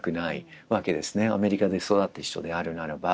アメリカで育った人であるならば。